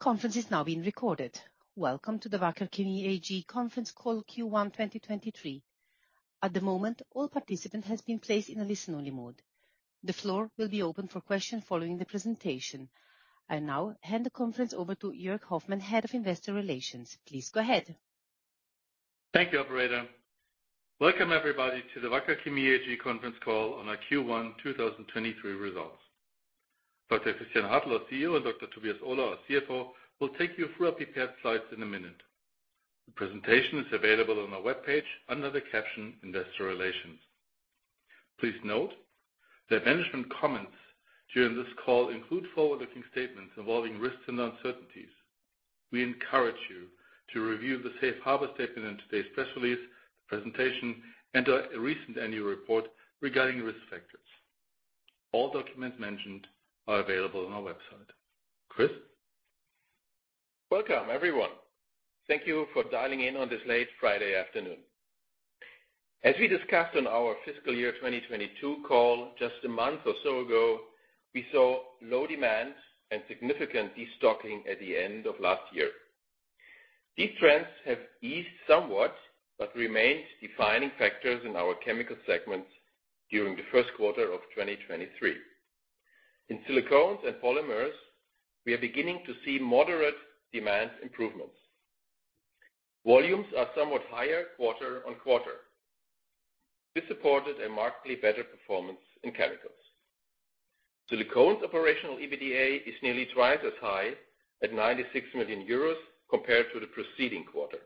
Conference is now being recorded. Welcome to the Wacker Chemie AG conference call Q12023. At the moment, all participant has been placed in a listen-only mode. The floor will be open for question following the presentation. I now hand the conference over to Jörg Hoffmann, Head of Investor Relations. Please go ahead. Thank you, operator. Welcome everybody to the Wacker Chemie AG conference call on our Q1 2023 results. Dr. Christian Hartel, CEO, and Dr. Tobias Ohler, our CFO, will take you through our prepared slides in a minute. The presentation is available on our webpage under the caption Investor Relations. Please note that management comments during this call include forward-looking statements involving risks and uncertainties. We encourage you to review the safe harbor statement in today's press release, presentation, and our recent annual report regarding risk factors. All documents mentioned are available on our website. Chris? Welcome, everyone. Thank you for dialing in on this late Friday afternoon. As we discussed on our fiscal year 2022 call just a month or so ago, we saw low demand and significant destocking at the end of last year. These trends have eased somewhat, remained defining factors in our chemical segments during the first quarter of 2023. In SILICONES and Polymers, we are beginning to see moderate demand improvements. Volumes are somewhat higher quarter-on-quarter. This supported a markedly better performance in chemicals. SILICONES operational EBITDA is nearly twice as high at 96 million euros compared to the preceding quarter.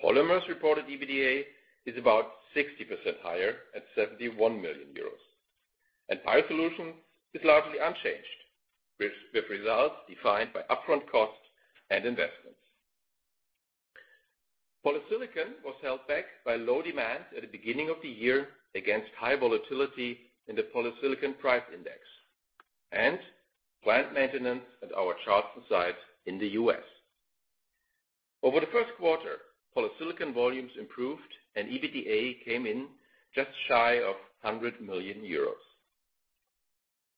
Polymers reported EBITDA is about 60% higher at 71 million euros. BIOSOLUTIONS is largely unchanged, with results defined by upfront costs and investments. Polysilicon was held back by low demand at the beginning of the year against high volatility in the polysilicon price index and plant maintenance at our Charleston site in the U.S. Over the first quarter, polysilicon volumes improved and EBITDA came in just shy of 100 million euros.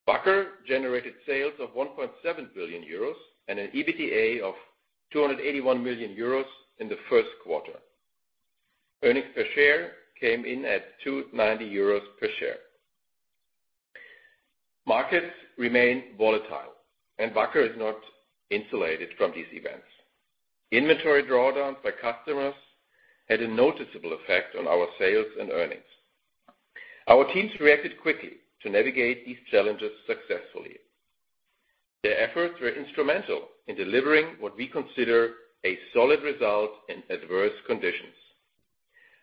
Wacker generated sales of 1.7 billion euros and an EBITDA of 281 million euros in the first quarter. Earnings per share came in at 2.90 euros per share. Markets remain volatile, and Wacker is not insulated from these events. Inventory drawdowns by customers had a noticeable effect on our sales and earnings. Our teams reacted quickly to navigate these challenges successfully. Their efforts were instrumental in delivering what we consider a solid result in adverse conditions.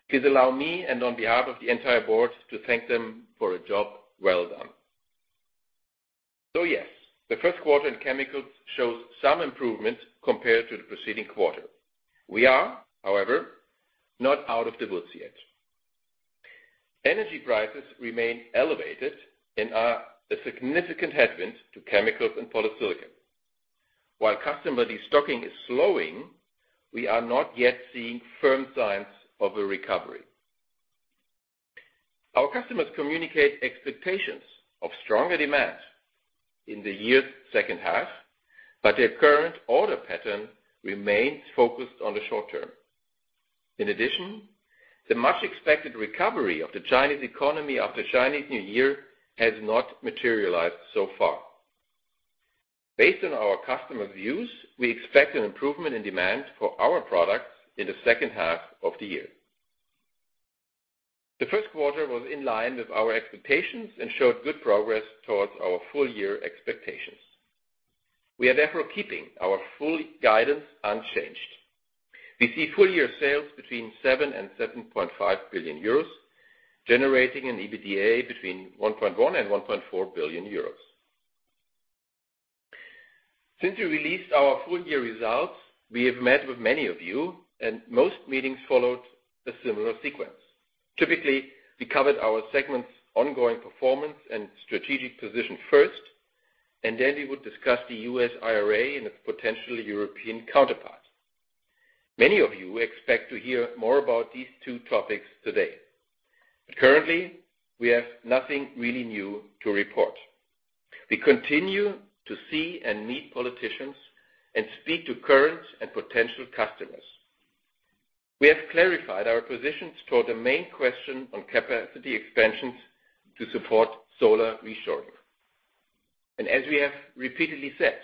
Please allow me, and on behalf of the entire board, to thank them for a job well done. Yes, the first quarter in chemicals shows some improvement compared to the preceding quarter. We are, however, not out of the woods yet. Energy prices remain elevated and are a significant headwind to chemicals and polysilicon. While customer destocking is slowing, we are not yet seeing firm signs of a recovery. Our customers communicate expectations of stronger demand in the year's second half, but their current order pattern remains focused on the short term. In addition, the much-expected recovery of the Chinese economy after Chinese New Year has not materialized so far. Based on our customer views, we expect an improvement in demand for our products in the second half of the year. The first quarter was in line with our expectations and showed good progress towards our full year expectations. We are therefore keeping our full guidance unchanged. We see full year sales between 7 billion and 7.5 billion euros, generating an EBITDA between 1.1 billion and 1.4 billion euros. Since we released our full year results, we have met with many of you, and most meetings followed a similar sequence. Typically, we covered our segment's ongoing performance and strategic position first, and then we would discuss the U.S. IRA and its potential European counterpart. Many of you expect to hear more about these two topics today. Currently, we have nothing really new to report. We continue to see and meet politicians and speak to current and potential customers. We have clarified our positions toward the main question on capacity expansions to support solar reshoring. As we have repeatedly said,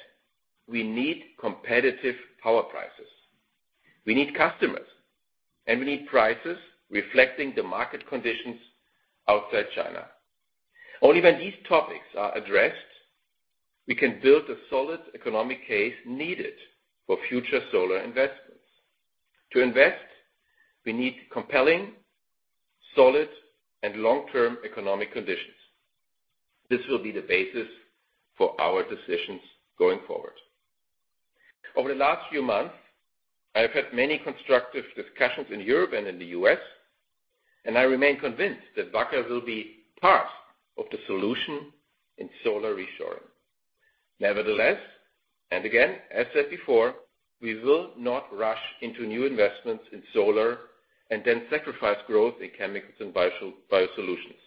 we need competitive power prices. We need customers, and we need prices reflecting the market conditions outside China. Only when these topics are addressed, we can build a solid economic case needed for future solar investments. To invest, we need compelling, solid, and long-term economic conditions. This will be the basis for our decisions going forward. Over the last few months, I have had many constructive discussions in Europe and in the U.S., and I remain convinced that Wacker will be part of the solution in solar reshoring. Nevertheless, and again, as said before, we will not rush into new investments in solar and then sacrifice growth in chemicals and BIOSOLUTIONS.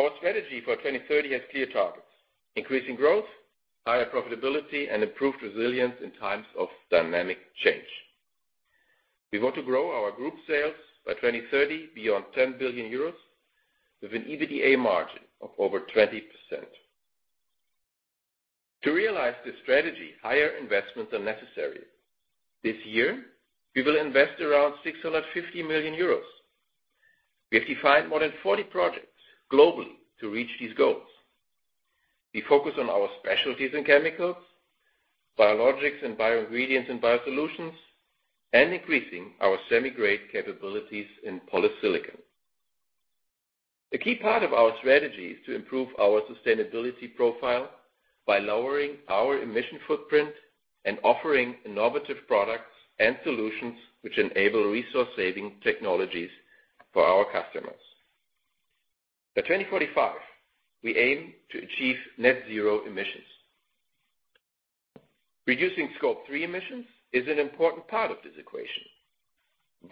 Our strategy for 2030 has clear targets, increasing growth, higher profitability, and improved resilience in times of dynamic change. We want to grow our group sales by 2030 beyond 10 billion euros with an EBITDA margin of over 20%. To realize this strategy, higher investments are necessary. This year, we will invest around 650 million euros. We have defined more than 40 projects globally to reach these goals. We focus on our specialties in chemicals, biologics, and bioingredients, and BIOSOLUTIONS, and increasing our semi-grade capabilities in polysilicon. A key part of our strategy is to improve our sustainability profile by lowering our emission footprint and offering innovative products and solutions which enable resource-saving technologies for our customers. By 2045, we aim to achieve net zero emissions. Reducing Scope 3 emissions is an important part of this equation.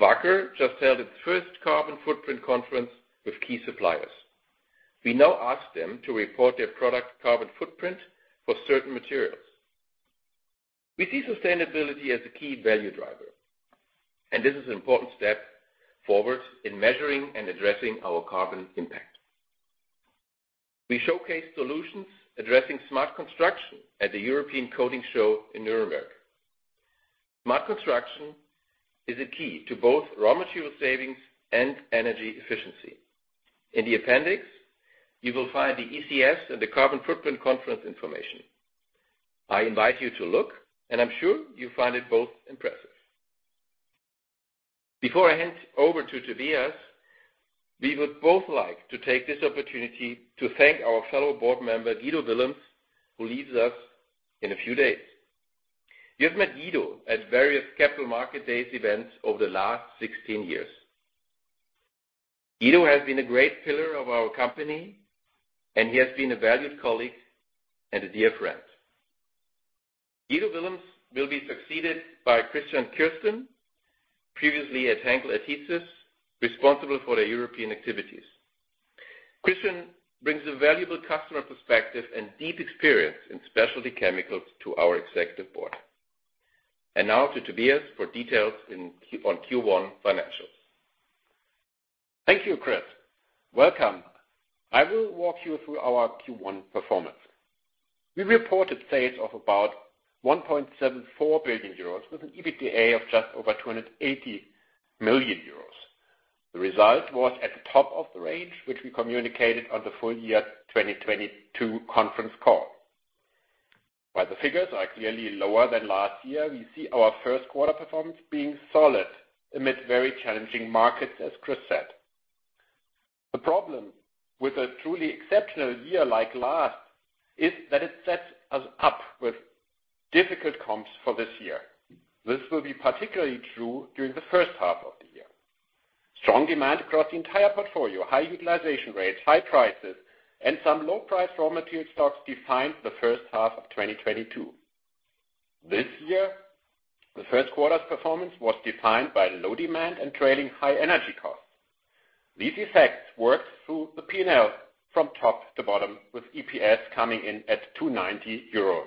Wacker just held its first Carbon Footprint Conference with key suppliers. We now ask them to report their product carbon footprint for certain materials. We see sustainability as a key value driver, and this is an important step forward in measuring and addressing our carbon impact. We showcase solutions addressing smart construction at the European Coatings Show in Nuremberg. Smart construction is a key to both raw material savings and energy efficiency. In the appendix, you will find the ECS and the Carbon Footprint Conference information. I invite you to look, and I'm sure you find it both impressive. Before I hand over to Tobias, we would both like to take this opportunity to thank our fellow board member, Guido Willems, who leaves us in a few days. You've met Guido at various Capital Market Days events over the last 16 years. Guido has been a great pillar of our company, and he has been a valued colleague and a dear friend. Guido Willems will be succeeded by Christian Kirsten, previously at Henkel Adhesives, responsible for the European activities. Christian brings a valuable customer perspective and deep experience in specialty chemicals to our executive board. Now to Tobias for details on Q1 financials. Thank you, Chris. Welcome. I will walk you through our Q1 performance. We reported sales of about 1.74 billion euros with an EBITDA of just over 280 million euros. The result was at the top of the range, which we communicated on the full year 2022 conference call. While the figures are clearly lower than last year, we see our first quarter performance being solid amid very challenging markets, as Chris said. The problem with a truly exceptional year like last is that it sets us up with difficult comps for this year. This will be particularly true during the first half of the year. Strong demand across the entire portfolio, high utilization rates, high prices, and some low-price raw material stocks defined the first half of 2022. The first quarter's performance was defined by low demand and trailing high energy costs. These effects worked through the P&L from top to bottom, with EPS coming in at 2.90 euros.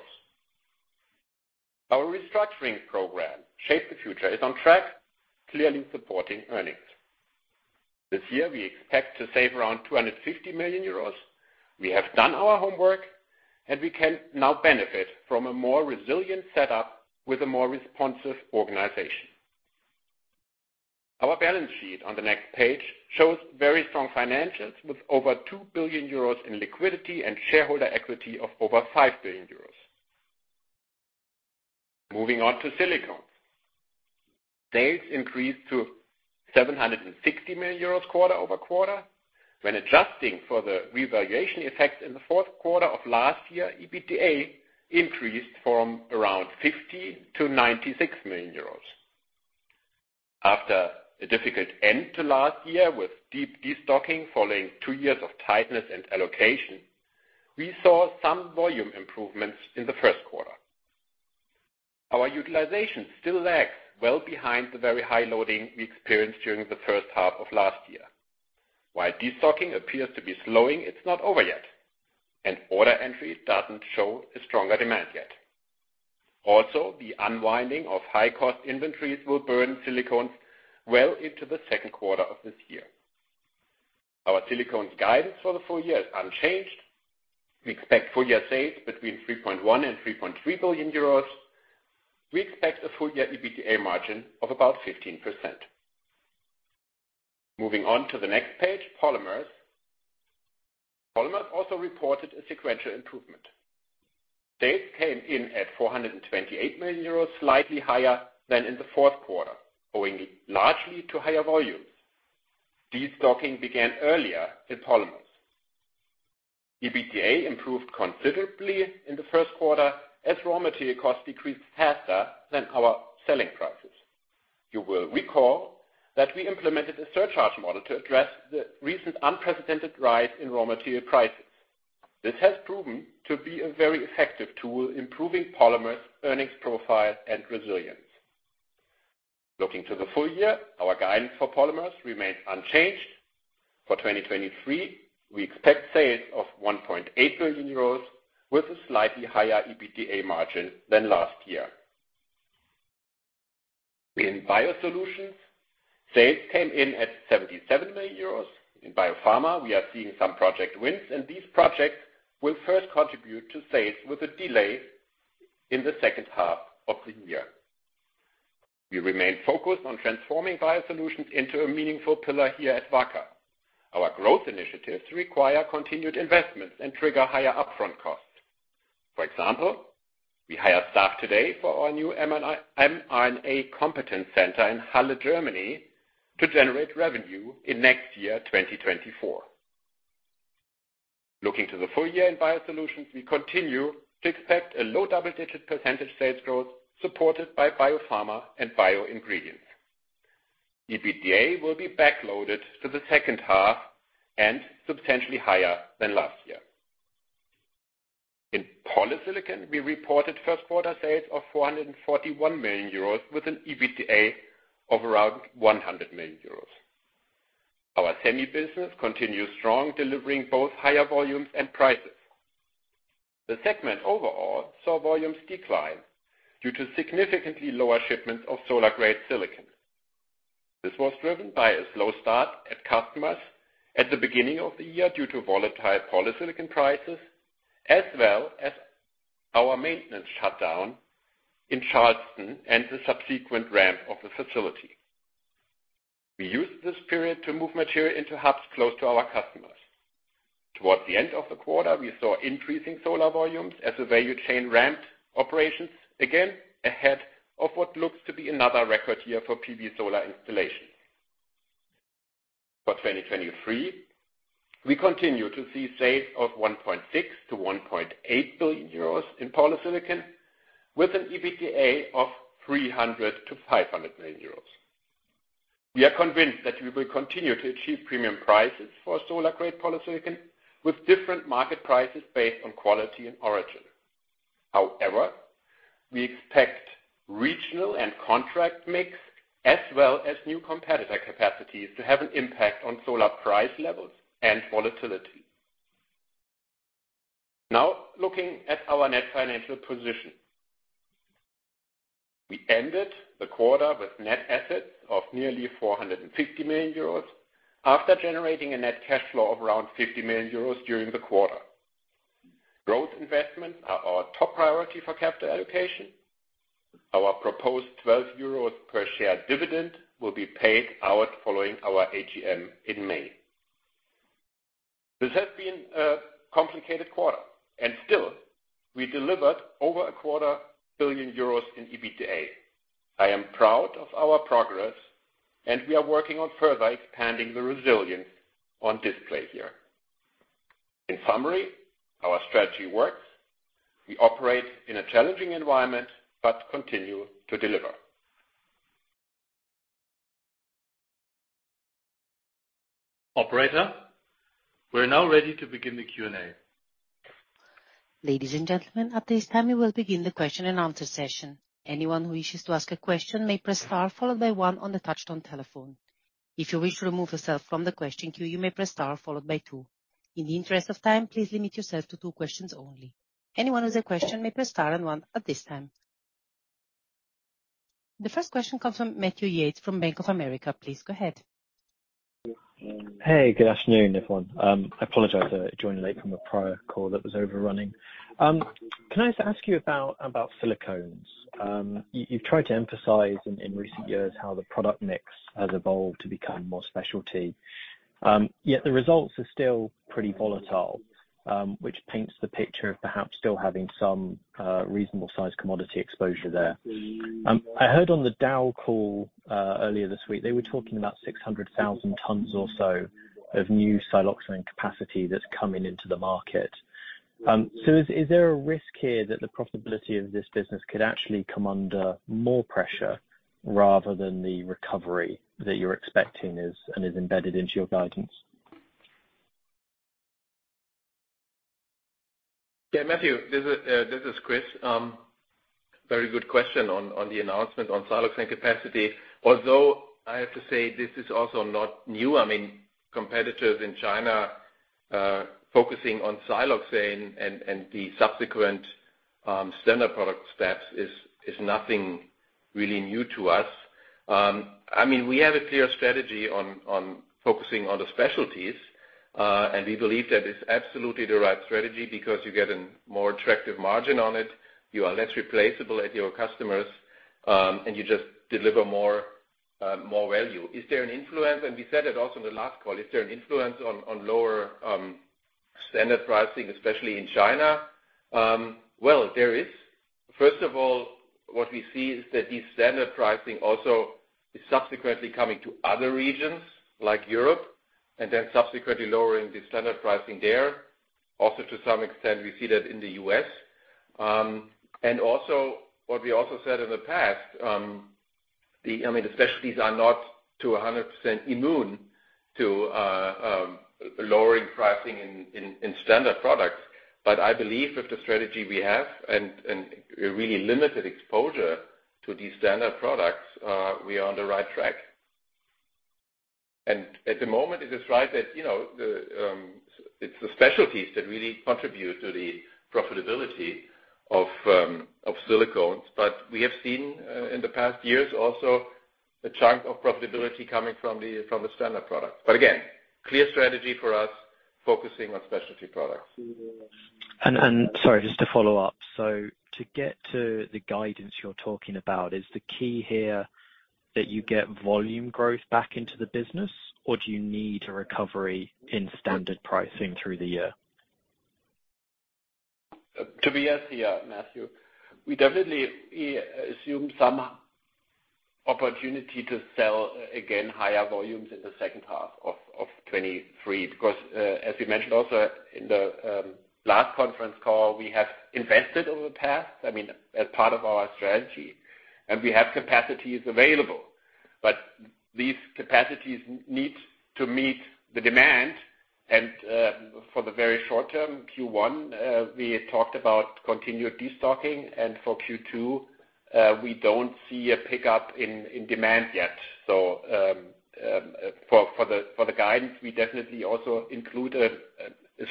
Our restructuring program, Shape the Future, is on track, clearly supporting earnings. We expect to save around 250 million euros. We have done our homework. We can now benefit from a more resilient setup with a more responsive organization. Our balance sheet on the next page shows very strong financials with over 2 billion euros in liquidity and shareholder equity of over 5 billion euros. Moving on to SILICONES. Sales increased to 760 million euros quarter-over-quarter. When adjusting for the revaluation effect in the fourth quarter of last year, EBITDA increased from around 50 million to 96 million euros. After a difficult end to last year with deep destocking following two years of tightness and allocation, we saw some volume improvements in the first quarter. Our utilization still lags well behind the very high loading we experienced during the first half of last year. While destocking appears to be slowing, it's not over yet, and order entry doesn't show a stronger demand yet. Also, the unwinding of high-cost inventories will burn SILICONES well into the second quarter of this year. Our SILICONES guidance for the full year is unchanged. We expect full year sales between 3.1 billion and 3.3 billion euros. We expect a full year EBITDA margin of about 15%. Moving on to the next page, Polymers. Polymers also reported a sequential improvement. Sales came in at 428 million euros, slightly higher than in the fourth quarter, owing largely to higher volumes. Destocking began earlier in Polymers. EBITDA improved considerably in the first quarter as raw material costs decreased faster than our selling prices. You will recall that we implemented a surcharge model to address the recent unprecedented rise in raw material prices. This has proven to be a very effective tool, improving Polymers, earnings profile, and resilience. Looking to the full year, our guidance for Polymers remains unchanged. For 2023, we expect sales of 1.8 billion euros with a slightly higher EBITDA margin than last year. In BIOSOLUTIONS, sales came in at 77 million euros. In Biopharma, we are seeing some project wins, and these projects will first contribute to sales with a delay in the second half of the year. We remain focused on transforming BIOSOLUTIONS into a meaningful pillar here at Wacker. Our growth initiatives require continued investments and trigger higher upfront costs. For example, we hire staff today for our new mRNA competence center in Halle, Germany, to generate revenue in next year, 2024. Looking to the full year in BIOSOLUTIONS, we continue to expect a low double-digit % sales growth supported by biopharma and bioingredients. EBITDA will be backloaded to the second half and substantially higher than last year. In polysilicon, we reported first quarter sales of 441 million euros with an EBITDA of around 100 million euros. Our semi business continues strong, delivering both higher volumes and prices. The segment overall saw volumes decline due to significantly lower shipments of solar-grade silicon. This was driven by a slow start at customers at the beginning of the year due to volatile polysilicon prices, as well as our maintenance shutdown in Charleston and the subsequent ramp of the facility. We used this period to move material into hubs close to our customers. Towards the end of the quarter, we saw increasing solar volumes as the value chain ramped operations again ahead of what looks to be another record year for PV solar installation. For 2023, we continue to see sales of 1.6 billion-1.8 billion euros in polysilicon with an EBITDA of 300 million-500 million euros. We are convinced that we will continue to achieve premium prices for solar-grade polysilicon with different market prices based on quality and origin. We expect regional and contract mix, as well as new competitor capacities to have an impact on solar price levels and volatility. Looking at our net financial position. We ended the quarter with net assets of nearly 450 million euros after generating a net cash flow of around 50 million euros during the quarter. Growth investments are our top priority for capital allocation. Our proposed 12 euros per share dividend will be paid out following our AGM in May. This has been a complicated quarter, still we delivered over a quarter billion euros in EBITDA. I am proud of our progress, we are working on further expanding the resilience on display here. In summary, our strategy works. We operate in a challenging environment continue to deliver. Operator, we're now ready to begin the Q&A. Ladies and gentlemen, at this time, we will begin the question and answer session. Anyone who wishes to ask a question may press star followed by one on the touch-tone telephone. If you wish to remove yourself from the question queue, you may press star followed by two. In the interest of time, please limit yourself to two questions only. Anyone with a question may press star and one at this time. The first question comes from Matthew Yates from Bank of America. Please go ahead. Hey, good afternoon, everyone. I apologize, I joined late from a prior call that was overrunning. Can I ask you about SILICONES? You've tried to emphasize in recent years how the product mix has evolved to become more specialty. The results are still pretty volatile, which paints the picture of perhaps still having some reasonable-sized commodity exposure there. I heard on the Dow call earlier this week, they were talking about 600,000 tons or so of new siloxane capacity that's coming into the market. Is there a risk here that the profitability of this business could actually come under more pressure rather than the recovery that you're expecting is, and is embedded into your guidance? Yeah, Matthew, this is Chris. Very good question on the announcement on siloxane capacity. Although I have to say this is also not new. I mean, competitors in China, focusing on siloxane and the subsequent standard product steps is nothing really new to us. I mean, we have a clear strategy on focusing on the specialties, and we believe that it's absolutely the right strategy because you get a more attractive margin on it, you are less replaceable at your customers, and you just deliver more value. Is there an influence? We said it also in the last call. Is there an influence on lower standard pricing, especially in China? Well, there is. First of all, what we see is that the standard pricing also is subsequently coming to other regions like Europe and then subsequently lowering the standard pricing there. Also, to some extent, we see that in the U.S. Also, what we also said in the past, I mean, the specialties are not to 100% immune to lowering pricing in standard products. I believe with the strategy we have and a really limited exposure to these standard products, we are on the right track. At the moment, it is right that, you know, it's the specialties that really contribute to the profitability of SILICONES. We have seen in the past years also a chunk of profitability coming from the standard product. Again, clear strategy for us focusing on specialty products. Sorry, just to follow up, to get to the guidance you're talking about, is the key here that you get volume growth back into the business, or do you need a recovery in standard pricing through the year? Tobias here, Matthew. We definitely assume some opportunity to sell again higher volumes in the second half of 2023, because, as we mentioned also in the last conference call, we have invested over the past, I mean, as part of our strategy, and we have capacities available. These capacities need to meet the demand. For the very short term, Q1, we talked about continued destocking, and for Q2, we don't see a pickup in demand yet. For the guidance, we definitely also include a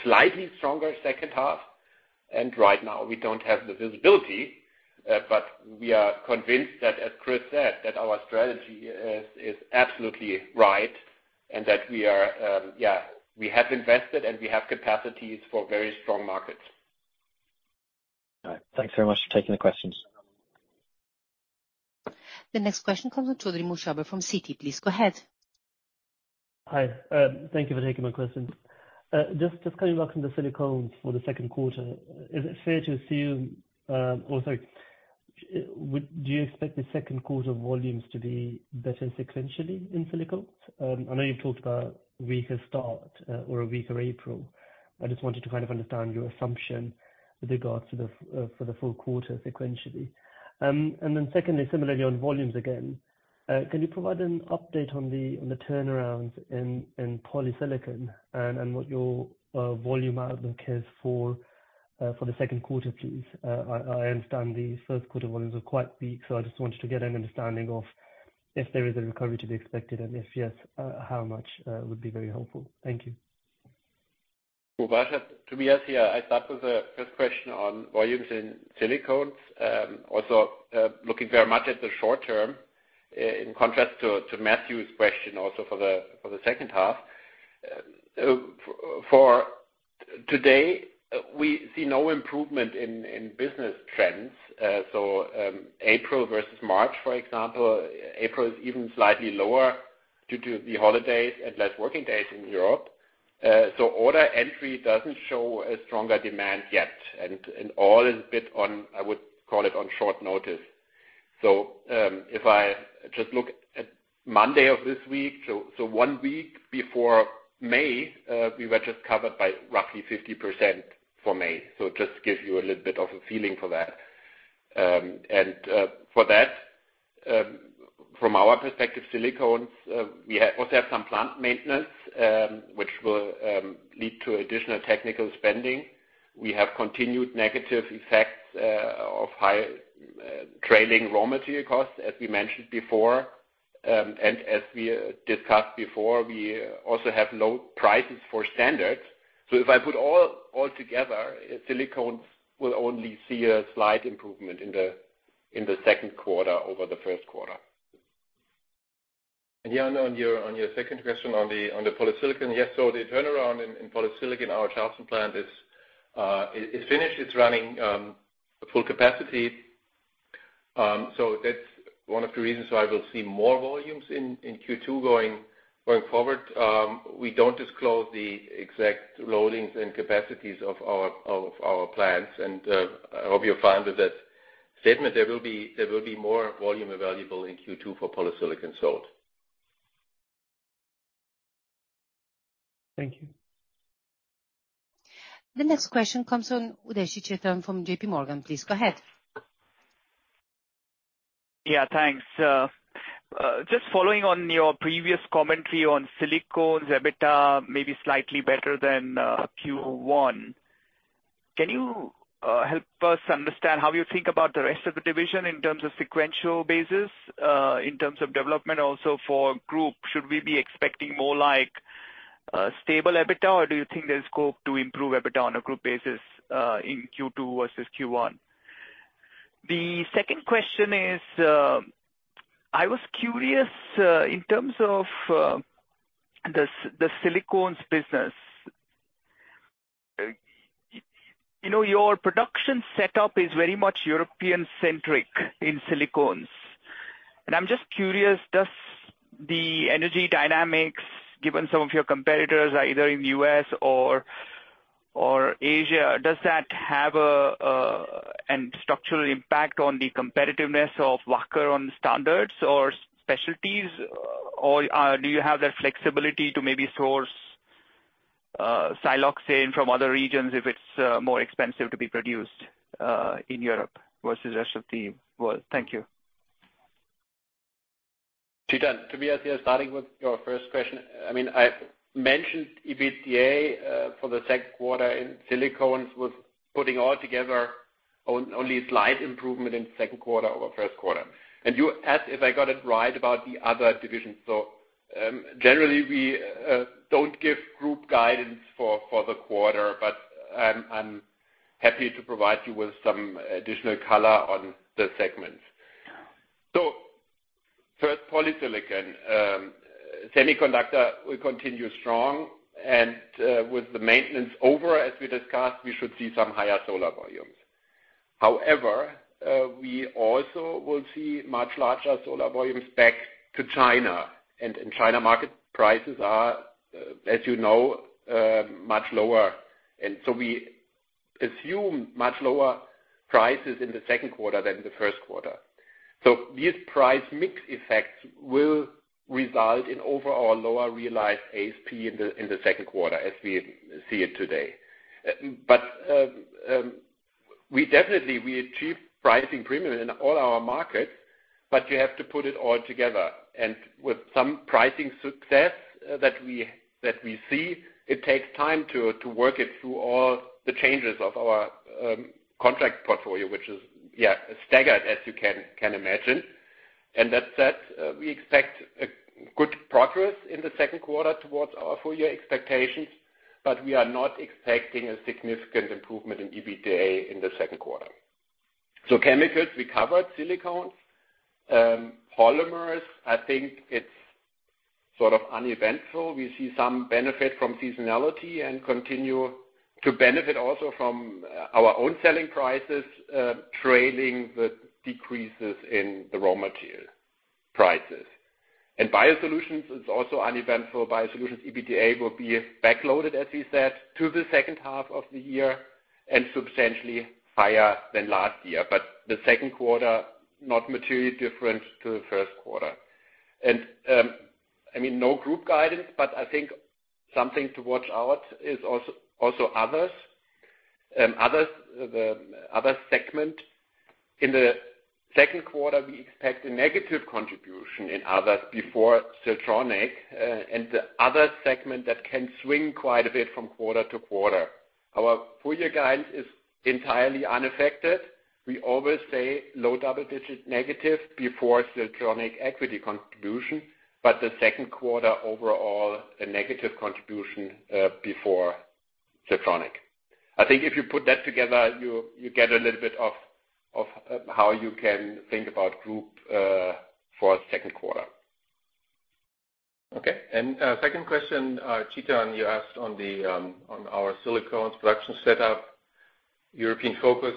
slightly stronger second half. Right now we don't have the visibility, but we are convinced that, as Chris said, that our strategy is absolutely right and that we are, yeah, we have invested, and we have capacities for very strong markets. All right. Thanks very much for taking the questions. The next question comes from Mubasher Chaudhry from Citi. Please go ahead. Hi. Thank you for taking my question. Just coming back from the SILICONES for the second quarter, is it fair to assume, Or, sorry. Do you expect the second quarter volumes to be better sequentially in SILICONES? I know you've talked about weaker start, or a weaker April. I just wanted to kind of understand your assumption with regards to the for the full quarter sequentially. Secondly, similarly on volumes again, can you provide an update on the turnarounds in polysilicon and what your volume outlook is for the second quarter, please? I understand the first quarter volumes were quite weak, so I just wanted to get an understanding of if there is a recovery to be expected, and if yes, how much would be very helpful. Thank you. Mubasher, Tobias here. I start with the first question on volumes in SILICONES. Also, looking very much at the short term, in contrast to Matthew's question also for the second half. For today, we see no improvement in business trends. April versus March, for example, April is even slightly lower due to the holidays and less working days in Europe. Order entry doesn't show a stronger demand yet. All is a bit on, I would call it, on short notice. If I just look at Monday of this week, one week before May, we were just covered by roughly 50% for May. It just gives you a little bit of a feeling for that. For that, from our perspective, SILICONES, we also have some plant maintenance, which will lead to additional technical spending. We have continued negative effects of high trailing raw material costs, as we mentioned before. As we discussed before, we also have low prices for standards. If I put all together, SILICONES will only see a slight improvement in the second quarter over the first quarter. On your second question on the polysilicon. Yes. The turnaround in polysilicon, our Charleston plant is finished. It's running full capacity. That's one of the reasons why we'll see more volumes in Q2 going forward. We don't disclose the exact loadings and capacities of our plants. I hope you're fine with that statement. There will be more volume available in Q2 for polysilicon sold. Thank you. The next question comes from Chetan Udeshi from JPMorgan. Please go ahead. Yeah. Thanks. Just following on your previous commentary on SILICONES EBITDA, maybe slightly better than Q1? Can you help us understand how you think about the rest of the division in terms of sequential basis, in terms of development also for group? Should we be expecting more like stable EBITDA, or do you think there's scope to improve EBITDA on a group basis, in Q2 versus Q1? The second question is, I was curious in terms of the SILICONES business. You know, your production setup is very much European-centric in SILICONES, and I'm just curious, does the energy dynamics, given some of your competitors are either in the U.S. or Asia, does that have a structural impact on the competitiveness of Wacker on standards or specialties? Do you have the flexibility to maybe source? Siloxane from other regions if it's more expensive to be produced in Europe versus the rest of the world. Thank you. Chetan, Tobias here starting with your first question. I mentioned EBITDA for the second quarter in SILICONES was putting all together only slight improvement in second quarter over first quarter. You asked if I got it right about the other divisions. Generally, we don't give group guidance for the quarter, but I'm happy to provide you with some additional color on the segments. First, polysilicon, semiconductor will continue strong and with the maintenance over as we discussed, we should see some higher solar volumes. However, we also will see much larger solar volumes back to China. In China, market prices are, as you know, much lower. We assume much lower prices in the second quarter than in the first quarter. These price mix effects will result in overall lower realized ASP in the second quarter as we see it today. We definitely achieve pricing premium in all our markets, but you have to put it all together. With some pricing success that we see, it takes time to work it through all the changes of our contract portfolio, which is staggered as you can imagine. That said, we expect a good progress in the second quarter towards our full year expectations, but we are not expecting a significant improvement in EBITDA in the second quarter. Chemicals, we covered SILICONES. Polymers, I think it's sort of uneventful. We see some benefit from seasonality and continue to benefit also from our own selling prices, trailing the decreases in the raw material prices. BIOSOLUTIONS is also uneventful. BIOSOLUTIONS EBITDA will be backloaded, as we said, to the second half of the year and substantially higher than last year. The second quarter, not materially different to the first quarter. No group guidance, but I think something to watch out is also others. Others the other segment. In the second quarter, we expect a negative contribution in others before Siltronic and the other segment that can swing quite a bit from quarter to quarter. Our full year guidance is entirely unaffected. We always say low double-digit negative before Siltronic equity contribution. The second quarter overall a negative contribution before Siltronic. I think if you put that together, you get a little bit of how you can think about group for second quarter. Okay. Second question, Chetan, you asked on the on our SILICONES production setup, European focus.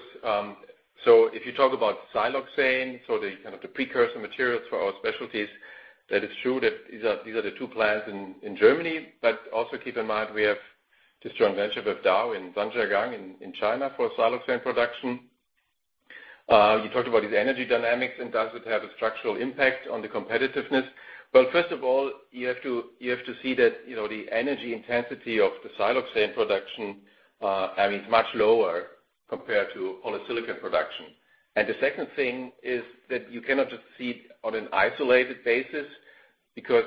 If you talk about siloxane, so the kind of the precursor materials for our specialties, that is true that these are the two plants in Germany. Also keep in mind we have this joint venture with Dow in Zhangjiagang in China for siloxane production. You talked about these energy dynamics and does it have a structural impact on the competitiveness? Well, first of all, you have to see that, you know, the energy intensity of the siloxane production, I mean, it's much lower compared to polysilicon production. The second thing is that you cannot just see it on an isolated basis, because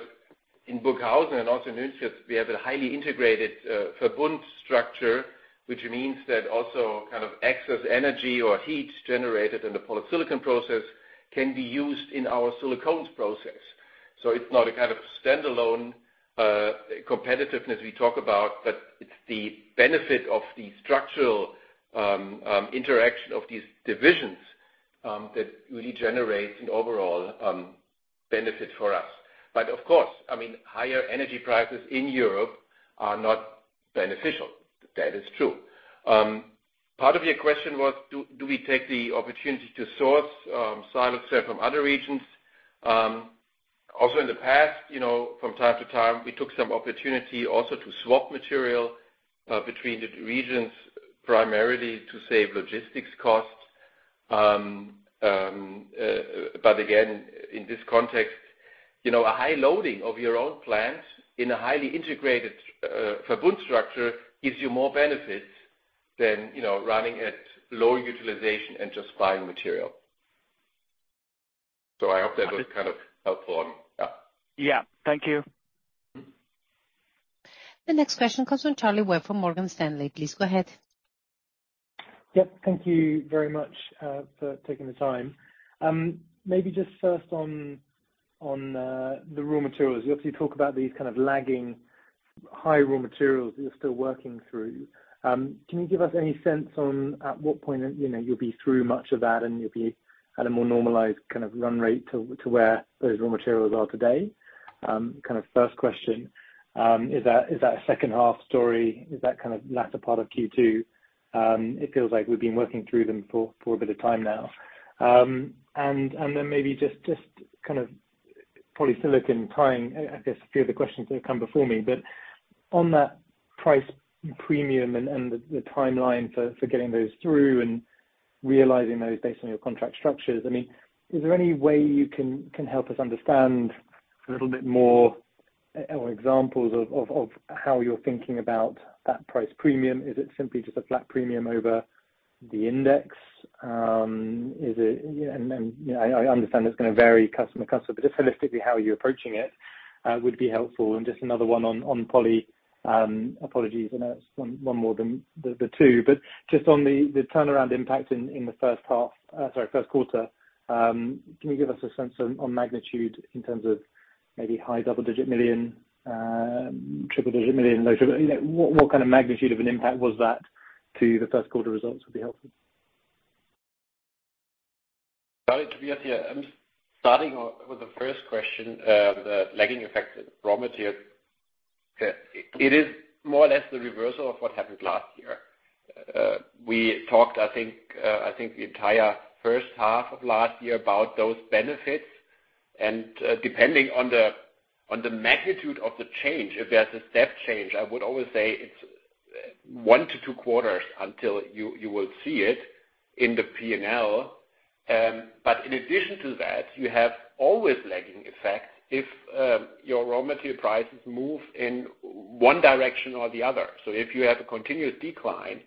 in Burghausen and also Nünchritz we have a highly integrated Verbund structure, which means that also kind of excess energy or heat generated in the polysilicon process can be used in our SILICONES process. It's not a kind of standalone competitiveness we talk about, but it's the benefit of the structural interaction of these divisions that really generates an overall benefit for us. Of course, I mean, higher energy prices in Europe are not beneficial. That is true. Part of your question was do we take the opportunity to source siloxane from other regions? Also in the past, you know, from time to time, we took some opportunity also to swap material between the regions primarily to save logistics costs. Again, in this context, you know, a high loading of your own plant in a highly integrated, Verbund structure gives you more benefits than, you know, running at low utilization and just buying material. I hope that was kind of helpful on. Yeah. Yeah. Thank you. The next question comes from Charlie Webb from Morgan Stanley. Please go ahead. Yep. Thank you very much for taking the time. Maybe just first on the raw materials. You obviously talk about these kind of lagging high raw materials that you're still working through. Can you give us any sense on at what point in, you know, you'll be through much of that and you'll be at a more normalized kind of run rate to where those raw materials are today? Kind of first question, is that, is that a second half story? Is that kind of latter part of Q2? It feels like we've been working through them for a bit of time now. Then maybe just kind of Polysilicon tying, I guess, a few of the questions that have come before me, but on that price premium and the timeline for getting those through and realizing those based on your contract structures, I mean, is there any way you can help us understand a little bit more examples of how you're thinking about that price premium. Is it simply just a flat premium over the index? Is it... You know, I understand it's gonna vary customer to customer, but just holistically, how are you approaching it, would be helpful. Just another one on Poly. Apologies, I know it's one more than the two, just on the turnaround impact in the first quarter, can you give us a sense on magnitude in terms of maybe high double-digit million, triple-digit million, low digit. You know, what kind of magnitude of an impact was that to the first quarter results would be helpful. Charlie, Tobias here. Starting with the first question, the lagging effect of raw material, it is more or less the reversal of what happened last year. We talked, I think, the entire first half of last year about those benefits. Depending on the magnitude of the change, if there is a step change, I would always say it is one to two quarters until you will see it in the P&L. In addition to that, you have always lagging effects if your raw material prices move in one direction or the other. If you have a continuous decline,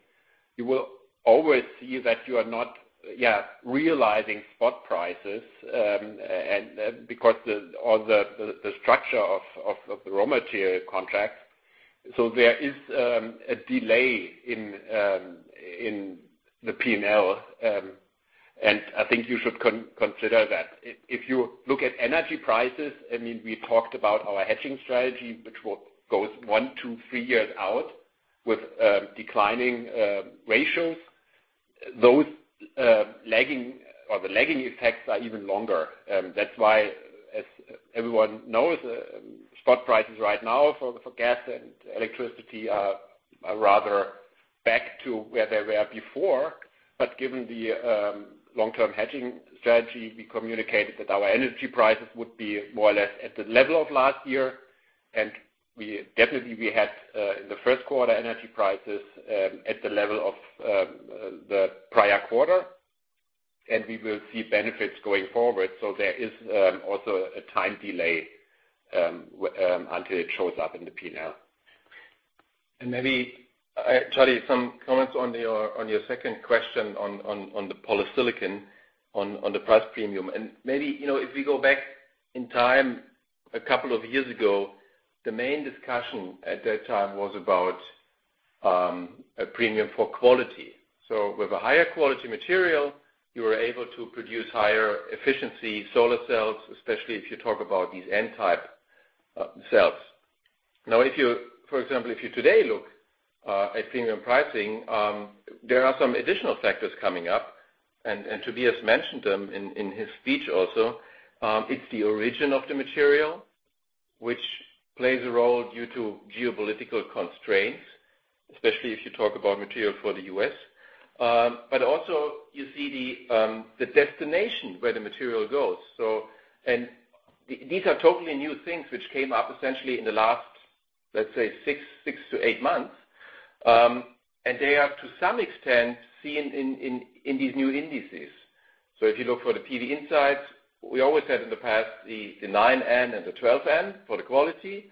you will always see that you are not, yeah, realizing spot prices, and because the structure of the raw material contract. There is a delay in the P&L. I think you should consider that. If you look at energy prices, I mean, we talked about our hedging strategy, which goes one to three years out with declining ratios. Those lagging or the lagging effects are even longer. That's why, as everyone knows, spot prices right now for gas and electricity are rather back to where they were before. Given the long-term hedging strategy, we communicated that our energy prices would be more or less at the level of last year. Definitely we had in the first quarter, energy prices at the level of the prior quarter, and we will see benefits going forward. There is also a time delay until it shows up in the P&L. Maybe, Charlie, some comments on your second question on the polysilicon on the price premium. Maybe, you know, if we go back in time a couple of years ago, the main discussion at that time was about a premium for quality. With a higher quality material, you are able to produce higher efficiency solar cells, especially if you talk about these N-type cells. If you, for example, if you today look at premium pricing, there are some additional factors coming up, and Tobias mentioned them in his speech also. It's the origin of the material, which plays a role due to geopolitical constraints, especially if you talk about material for the U.S. But also you see the destination where the material goes. These are totally new things which came up essentially in the last, let's say, 6-8 months. They are to some extent seen in these new indices. If you look for the PV Insights, we always had in the past the 9N and the 12N for the quality.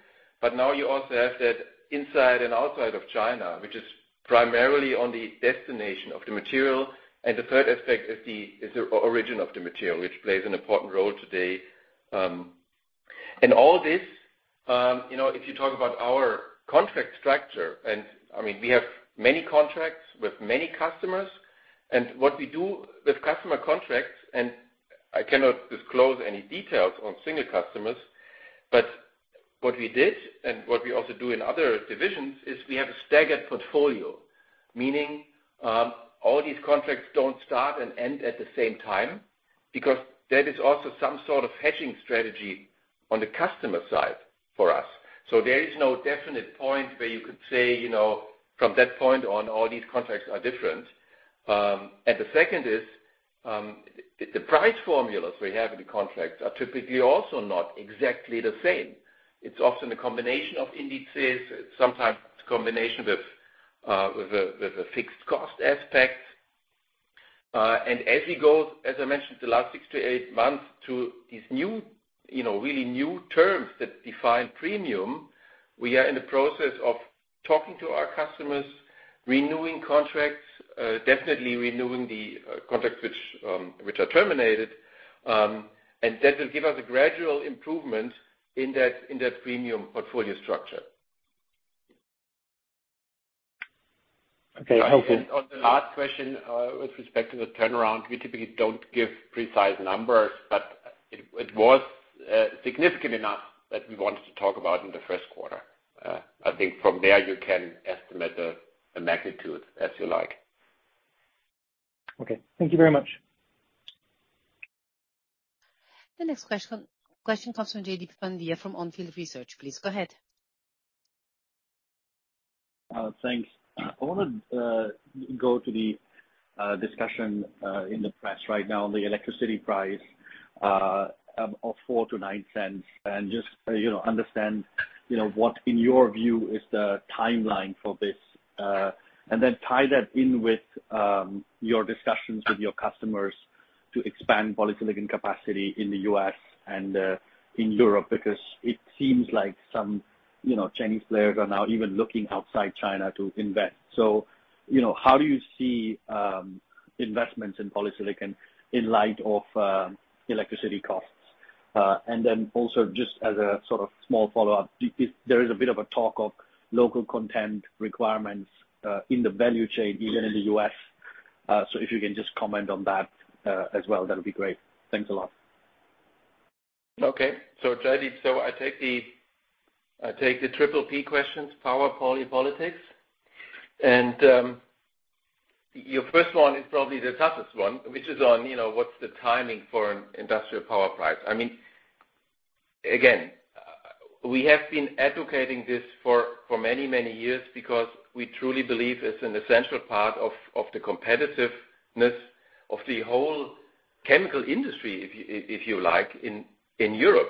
Now you also have that inside and outside of China, which is primarily on the destination of the material. The third aspect is the origin of the material, which plays an important role today. All this, you know, if you talk about our contract structure, I mean, we have many contracts with many customers. What we do with customer contracts, and I cannot disclose any details on single customers, but what we did and what we also do in other divisions, is we have a staggered portfolio. Meaning, all these contracts don't start and end at the same time, because there is also some sort of hedging strategy on the customer side for us. There is no definite point where you could say, you know, from that point on, all these contracts are different. The second is, the price formulas we have in the contracts are typically also not exactly the same. It's often a combination of indices, sometimes combination with a fixed cost aspect. As we go, as I mentioned, the last six to eight months to these new, you know, really new terms that define premium, we are in the process of talking to our customers, renewing contracts, definitely renewing the contracts which are terminated. That will give us a gradual improvement in that, in that premium portfolio structure. Okay. On the last question, with respect to the turnaround, we typically don't give precise numbers, but it was significant enough that we wanted to talk about in the first quarter. I think from there you can estimate the magnitude as you like. Okay. Thank you very much. The next question comes from Jaideep Pandya from On Field Research. Please go ahead. Thanks. I wanna go to the discussion in the press right now on the electricity price of 0.04-0.09 and just, you know, understand. You know, what, in your view, is the timeline for this? Tie that in with your discussions with your customers to expand polysilicon capacity in the U.S. and in Europe. It seems like some, you know, Chinese players are now even looking outside China to invest. You know, how do you see investments in polysilicon in light of electricity costs? Also just as a sort of small follow-up, if there is a bit of a talk of local content requirements in the value chain, even in the U.S. If you can just comment on that as well, that'd be great. Thanks a lot. Okay. Jaideep, I take the triple P questions, power, poly, politics. Your first one is probably the toughest one, which is on, you know, what's the timing for an industrial power price. I mean, again, we have been advocating this for many, many years because we truly believe it's an essential part of the competitiveness of the whole chemical industry, if you like, in Europe,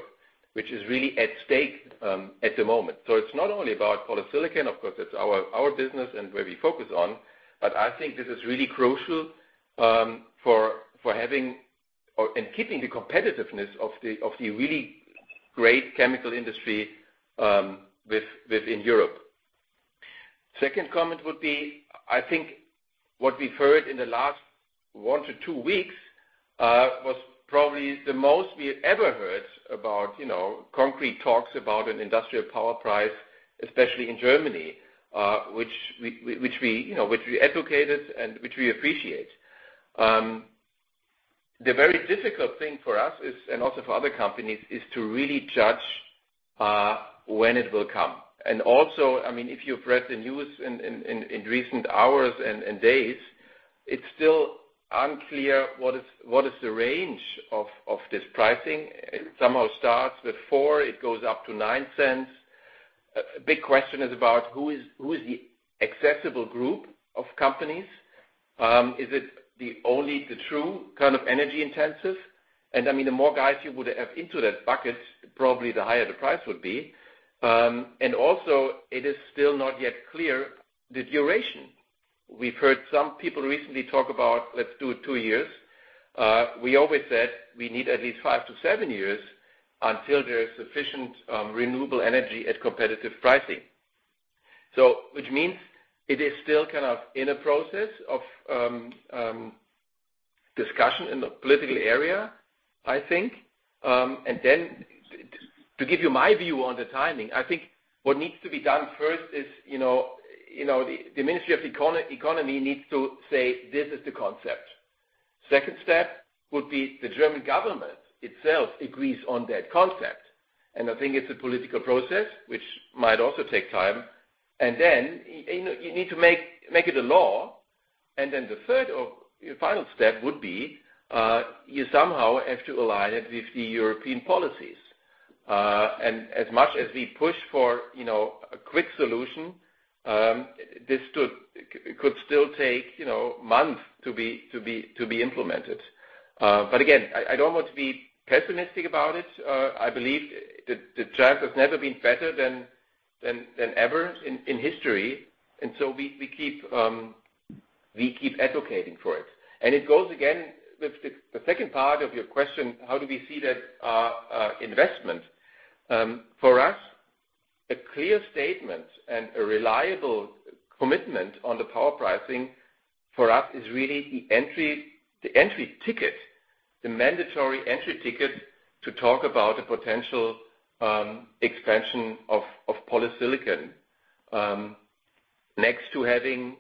which is really at stake at the moment. It's not only about polysilicon, of course, it's our business and where we focus on, but I think this is really crucial for having and keeping the competitiveness of the really great chemical industry within Europe. Second comment would be, I think what we've heard in the last one to two weeks was probably the most we ever heard about, you know, concrete talks about an industrial power price, especially in Germany, which we, you know, which we advocated and which we appreciate. The very difficult thing for us is, and also for other companies, is to really judge when it will come. I mean, if you've read the news in recent hours and days, it's still unclear what is the range of this pricing. It somehow starts with 0.04, it goes up to 0.09. A big question is about who is the accessible group of companies? Is it the only, the true kind of energy intensive? I mean, the more guys you would have into that bucket, probably the higher the price would be. It is still not yet clear the duration. We've heard some people recently talk about, let's do two years. We always said we need at least five to seven years until there is sufficient renewable energy at competitive pricing. Which means it is still kind of in a process of discussion in the political area, I think. To give you my view on the timing, I think what needs to be done first is, you know, you know, the Ministry of Economy needs to say, this is the concept. Second step would be the German government itself agrees on that concept. I think it's a political process which might also take time. You, you know, you need to make it a law. The third or final step would be, you somehow have to align it with the European policies. As much as we push for, you know, a quick solution, this could still take, you know, months to be implemented. Again, I don't want to be pessimistic about it. I believe the chance has never been better than ever in history. We keep advocating for it. It goes again with the second part of your question, how do we see that investment? For us, a clear statement and a reliable commitment on the power pricing for us is really the entry ticket, the mandatory entry ticket to talk about a potential expansion of polysilicon next to having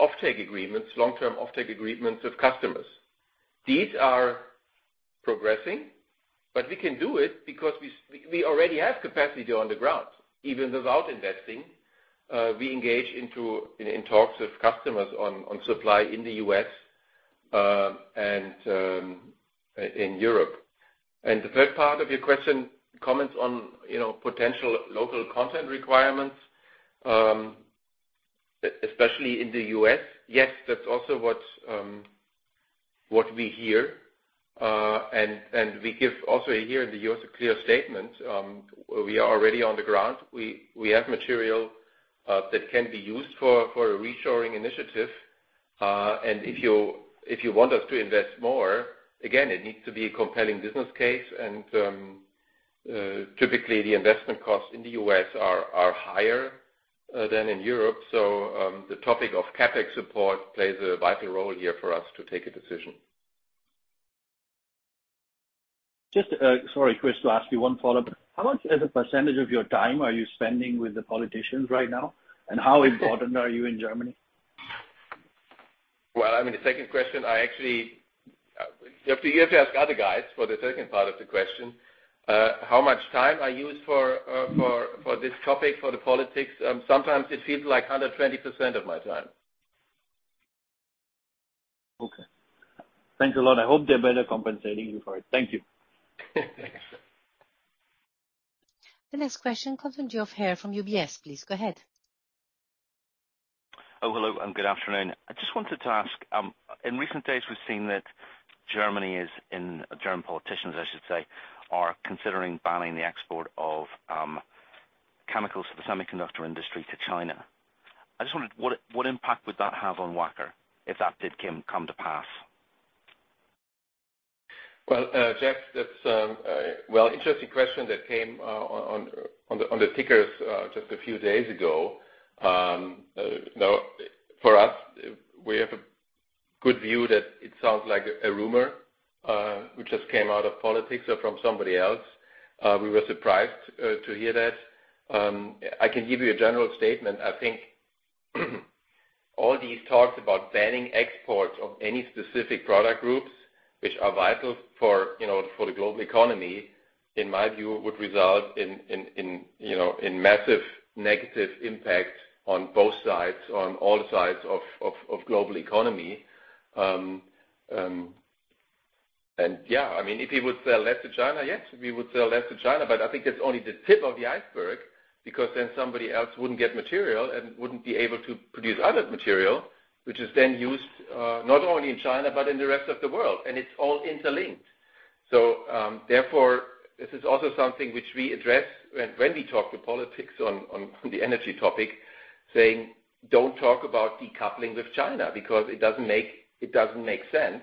offtake agreements, long-term offtake agreements with customers. These are progressing, but we can do it because we already have capacity on the ground, even without investing. We engage in talks with customers on supply in the U.S. and in Europe. The third part of your question comments on, you know, potential local content requirements, especially in the U.S. Yes, that's also what we hear. We give also here in the U.S. a clear statement, we are already on the ground. We have material that can be used for a reshoring initiative. If you want us to invest more, again, it needs to be a compelling business case. Typically the investment costs in the U.S. are higher than in Europe. The topic of CapEx support plays a vital role here for us to take a decision. Just, sorry, Chris, to ask you one follow-up. How much as a percentage of your time are you spending with the politicians right now? How important are you in Germany? Well, I mean, the second question, I actually. You have to ask other guys for the second part of the question. How much time I use for this topic, for the politics? Sometimes it feels like 120% of my time. Okay. Thanks a lot. I hope they're better compensating you for it. Thank you. The next question comes from Geoff Haire from UBS, please go ahead. Hello and good afternoon. I just wanted to ask, in recent days we've seen that German politicians, I should say, are considering banning the export of chemicals to the semiconductor industry to China. I just wondered, what impact would that have on Wacker if that did come to pass? Well, Jack, that's, well, interesting question that came on the, on the tickers, just a few days ago. Now for us, we have a good view that it sounds like a rumor, which just came out of politics or from somebody else. We were surprised to hear that. I can give you a general statement. I think all these talks about banning exports of any specific product groups which are vital for, you know, for the global economy, in my view, would result in, you know, in massive negative impact on both sides, on all sides of global economy. Yeah, I mean, if you would sell less to China, yes, we would sell less to China, but I think it's only the tip of the iceberg because then somebody else wouldn't get material and wouldn't be able to produce other material, which is then used, not only in China but in the rest of the world, and it's all interlinked. Therefore, this is also something which we address when we talk with politics on the energy topic, saying, "Don't talk about decoupling with China because it doesn't make sense."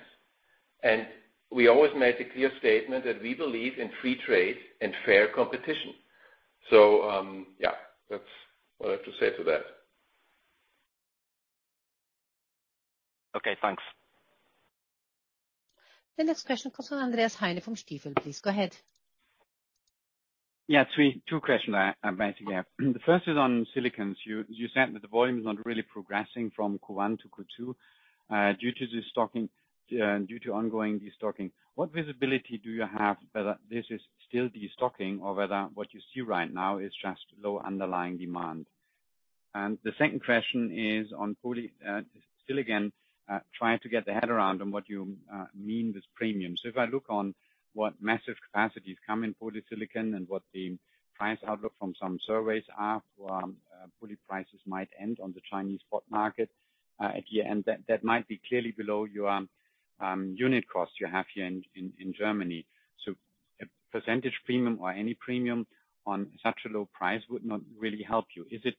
We always made a clear statement that we believe in free trade and fair competition. Yeah, that's all I have to say to that. Okay, thanks. The next question comes from Andreas Heine from Stifel. Please go ahead. Two questions I basically have. The first is on SILICONES. You said that the volume is not really progressing from Q1 to Q2 due to the stocking due to ongoing destocking. What visibility do you have whether this is still destocking or whether what you see right now is just low underlying demand? The second question is on polysilicon, trying to get the head around on what you mean with premium. If I look on what massive capacities come in polysilicon and what the price outlook from some surveys are, polysilicon prices might end on the Chinese spot market at year-end. That might be clearly below your unit cost you have here in Germany. A percentage premium or any premium on such a low price would not really help you. Is it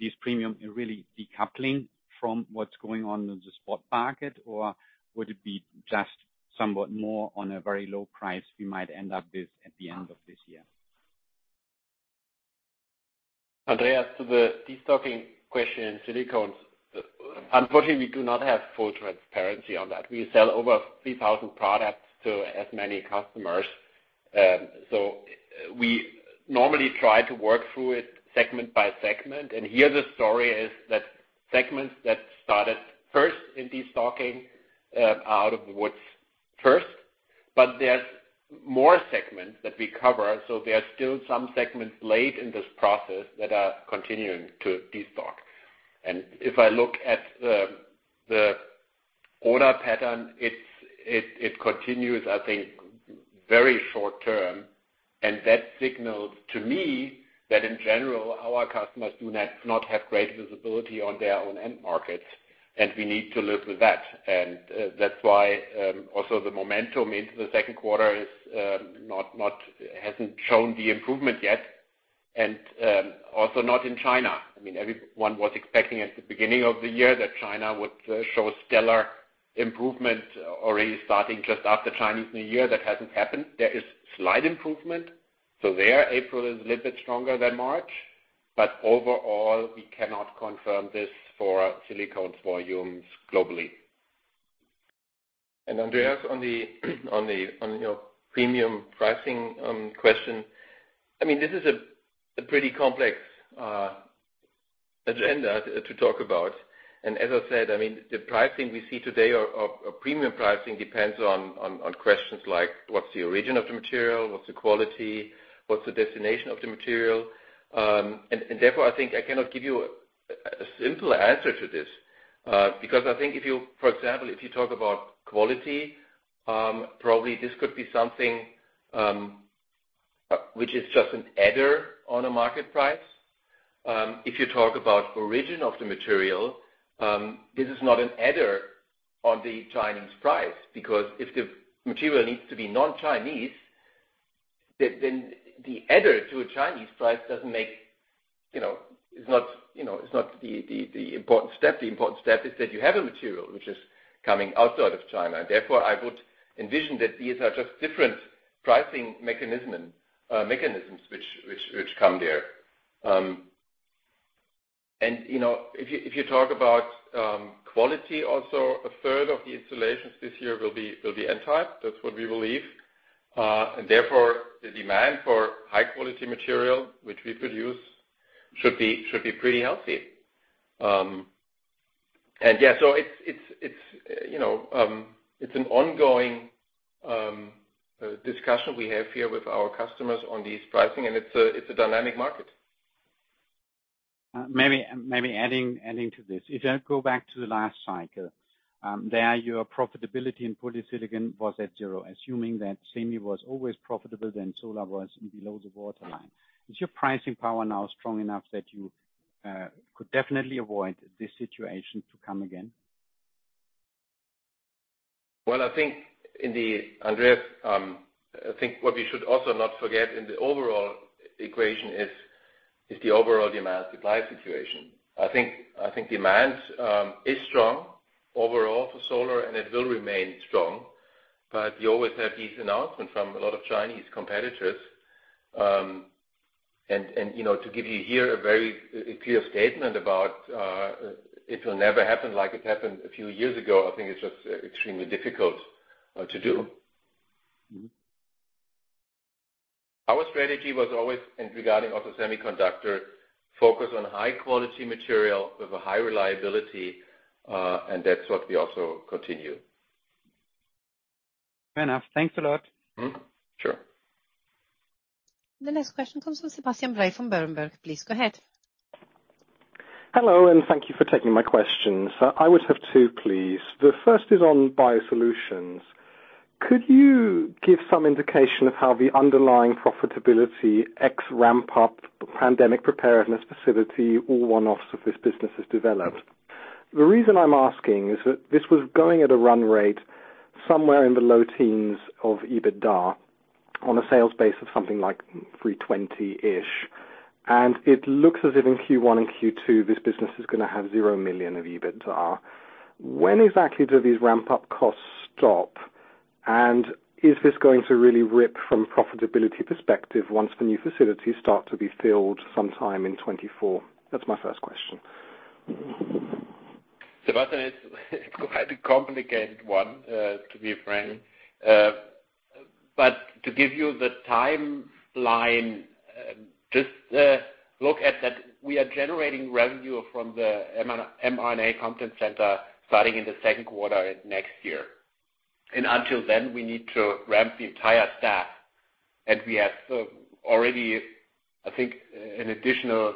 this premium really decoupling from what's going on in the spot market, or would it be just somewhat more on a very low price we might end up with at the end of this year? Andreas, to the destocking question in silicon. Unfortunately, we do not have full transparency on that. We sell over 3,000 products to as many customers. We normally try to work through it segment by segment. Here the story is that segments that started first in destocking, are out of the woods first. There's more segments that we cover, so there are still some segments late in this process that are continuing to destock. If I look at the order pattern, it continues, I think, very short-term. That signals to me that in general, our customers do not have great visibility on their own end markets, and we need to live with that. That's why also the momentum into the second quarter hasn't shown the improvement yet, also not in China. I mean, everyone was expecting at the beginning of the year that China would show stellar improvement already starting just after Chinese New Year. That hasn't happened. There is slight improvement. There, April is a little bit stronger than March. Overall, we cannot confirm this for silicon volumes globally. Andreas, on your premium pricing question, I mean, this is a pretty complex agenda to talk about. As I said, I mean, the pricing we see today or premium pricing depends on questions like what's the origin of the material, what's the quality, what's the destination of the material. Therefore, I think I cannot give you a simple answer to this, because I think if you, for example, if you talk about quality, probably this could be something which is just an adder on a market price. If you talk about origin of the material, this is not an adder on the Chinese price because if the material needs to be non-Chinese, then the adder to a Chinese price doesn't make, you know, is not, you know, is not the important step. The important step is that you have a material which is coming outside of China. Therefore, I would envision that these are just different pricing mechanisms which come there. You know, if you talk about quality also, a third of the installations this year will be N-type. That's what we believe. Therefore, the demand for high-quality material which we produce should be pretty healthy. It's, you know, it's an ongoing discussion we have here with our customers on these pricing, and it's a dynamic market. maybe adding to this. If I go back to the last cycle- There your profitability in polysilicon was at zero. Assuming that semi was always profitable, solar was below the waterline. Is your pricing power now strong enough that you could definitely avoid this situation to come again? Well, I think Andreas, I think what we should also not forget in the overall equation is the overall demand supply situation. I think demand is strong overall for solar, and it will remain strong. You always have these announcements from a lot of Chinese competitors. And, you know, to give you here a very, a clear statement about, it will never happen like it happened a few years ago, I think it's just extremely difficult to do. Mm-hmm. Our strategy was always in regarding also semiconductor focus on high quality material with a high reliability, and that's what we also continue. Fair enough. Thanks a lot. Mm-hmm. Sure. The next question comes from Sebastian Bray from Berenberg. Please go ahead. Hello, and thank you for taking my questions. I would have two, please. The first is on BIOSOLUTIONS. Could you give some indication of how the underlying profitability ex ramp-up pandemic preparedness facility, all one-offs of this business has developed? The reason I'm asking is that this was going at a run rate somewhere in the low teens of EBITDA on a sales base of something like 320 million-ish. It looks as if in Q1 and Q2, this business is gonna have 0 million of EBITDA. When exactly do these ramp up costs stop? Is this going to really rip from profitability perspective once the new facilities start to be filled sometime in 2024? That's my first question. Sebastian, it's quite a complicated one to be frank. But to give you the timeline, just look at that we are generating revenue from the mRNA content center starting in the second quarter next year. Until then, we need to ramp the entire staff. We have already, I think, an additional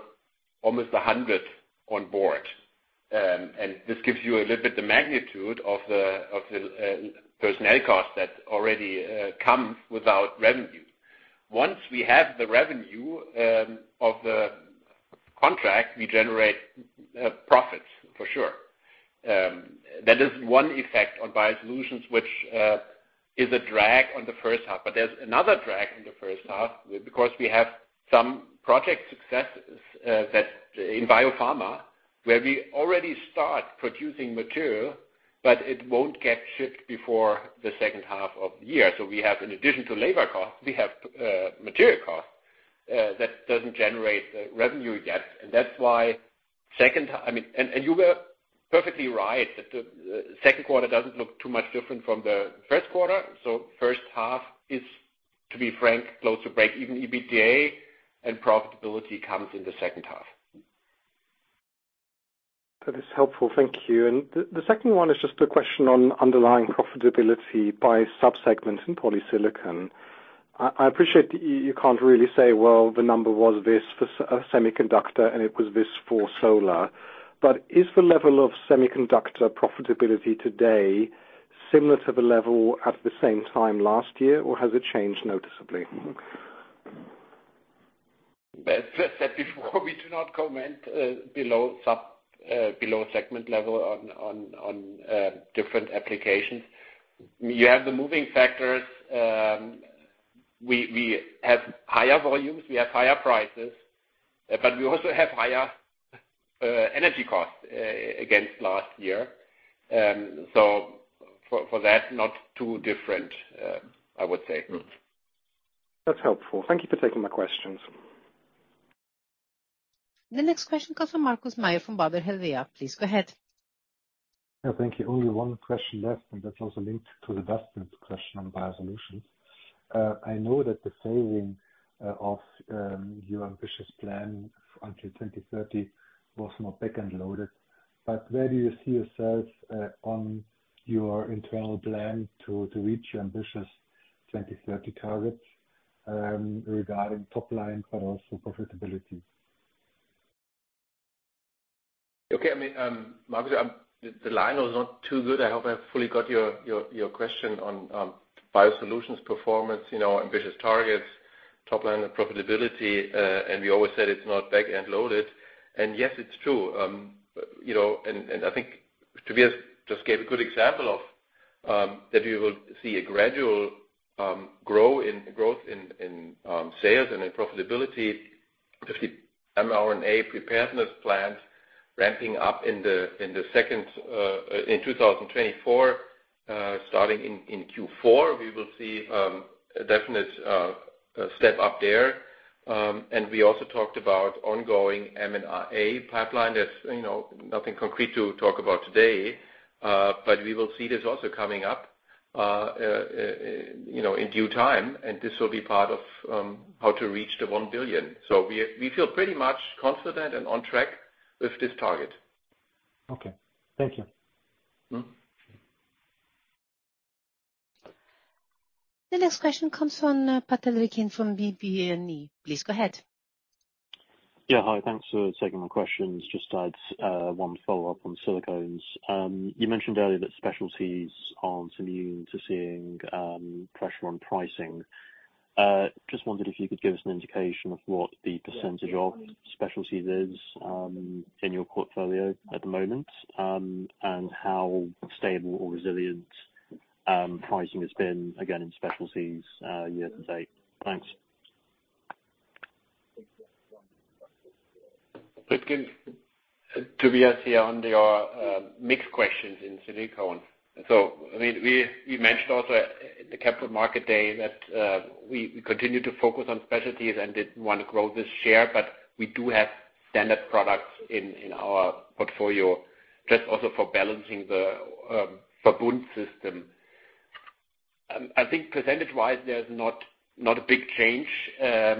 almost 100 on board. This gives you a little bit the magnitude of the personnel costs that already come without revenue. Once we have the revenue of the contract, we generate profits for sure. That is one effect on BIOSOLUTIONS, which is a drag on the first half. There's another drag in the first half because we have some project successes that in biopharma, where we already start producing material, but it won't get shipped before the second half of the year. We have in addition to labor costs, we have material costs that doesn't generate revenue yet. That's why, I mean, you were perfectly right that the second quarter doesn't look too much different from the first quarter. First half is, to be frank, close to break even EBITDA, and profitability comes in the second half. That is helpful. Thank you. The second one is just a question on underlying profitability by sub-segment in polysilicon. I appreciate you can't really say, well, the number was this for semiconductor, and it was this for solar. Is the level of semiconductor profitability today similar to the level at the same time last year, or has it changed noticeably? As I said before, we do not comment below segment level on different applications. You have the moving factors. We have higher volumes, we have higher prices, but we also have higher energy costs against last year. For that, not too different, I would say. That's helpful. Thank you for taking my questions. The next question comes from Markus Mayer from Baader Helvea. Please go ahead. Yeah, thank you. Only one question left, and that's also linked to Sebastian Bray's question on BIOSOLUTIONS. I know that the saving of your ambitious plan until 2030 was more back-end loaded. Where do you see yourself on your internal plan to reach your ambitious 2030 targets regarding top line but also profitability? Okay. I mean, Markus, the line was not too good. I hope I fully got your question on BIOSOLUTIONS performance, you know, ambitious targets, top line and profitability. We always said it's not back-end loaded. Yes, it's true. You know, I think Tobias just gave a good example of that we will see a gradual growth in sales and in profitability. If the mRNA preparedness plans ramping up in the second in 2024, starting in Q4, we will see a definite step up there. We also talked about ongoing M&A pipeline. There's, you know, nothing concrete to talk about today. We will see this also coming up, you know, in due time, and this will be part of how to reach the 1 billion. We feel pretty much confident and on track with this target. Okay. Thank you. Mm-hmm. The next question comes from Patrick from BB&E. Please go ahead. Yeah, hi. Thanks for taking my questions. Just had one follow-up on SILICONES. You mentioned earlier that specialties aren't immune to seeing pressure on pricing. Just wondered if you could give us an indication of what the percent of specialties is in your portfolio at the moment, and how stable or resilient pricing has been again in specialties year-to-date. Thanks. Tobias here on your mixed questions in silicone. I mean, we mentioned also at the Capital Market Day that we continue to focus on specialties and did want to grow this share, but we do have standard products in our portfolio just also for balancing the Verbund system. I think percentage-wise, there's not a big change. As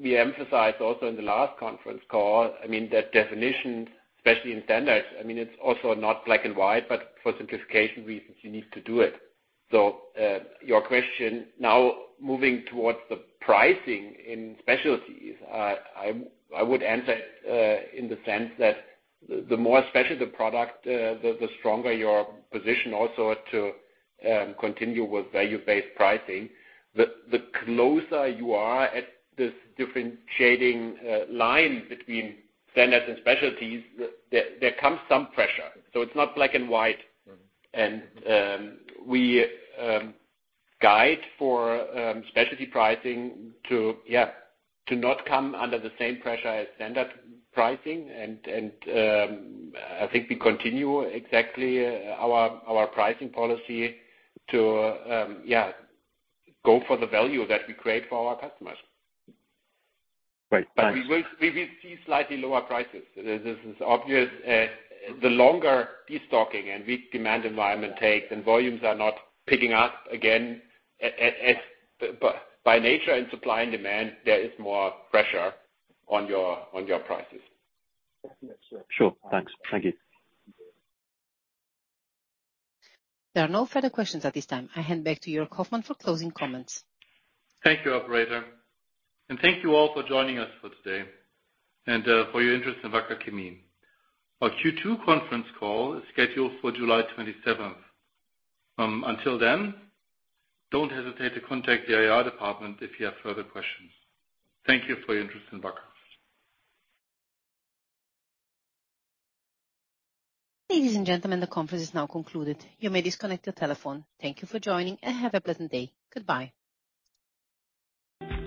we emphasized also in the last conference call, I mean that definition, especially in standards, I mean, it's also not black and white, but for simplification reasons, you need to do it. Your question now moving towards the pricing in specialties, I would answer it in the sense that the more special the product, the stronger your position also to continue with value-based pricing. The closer you are at this different shading, line between standards and specialties, there comes some pressure. It's not black and white. Mm-hmm. We guide for specialty pricing to not come under the same pressure as standard pricing. I think we continue exactly our pricing policy to go for the value that we create for our customers. Great. Thanks. We will see slightly lower prices. This is obvious. The longer destocking and weak demand environment takes and volumes are not picking up again. By nature and supply and demand, there is more pressure on your prices. Sure. Thanks. Thank you. There are no further questions at this time. I hand back to Jörg Hoffmann for closing comments. Thank you, operator. Thank you all for joining us for today and for your interest in Wacker Chemie. Our Q2 conference call is scheduled for July 27th. Until then, don't hesitate to contact the IR department if you have further questions. Thank you for your interest in Wacker. Ladies and gentlemen, the conference is now concluded. You may disconnect your telephone. Thank you for joining, and have a pleasant day. Goodbye.